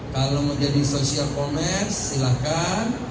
kalau menjadi social commerce silahkan